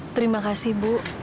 terima kasih bu